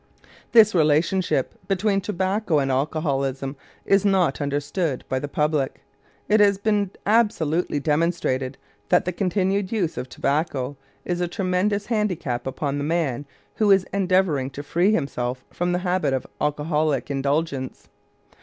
This relationship between tobacco and alcoholism is not understood by the public. It has been absolutely demonstrated that the continued use of tobacco is a tremendous handicap upon the man who is endeavoring to free himself from the habit of alcoholic indulgence.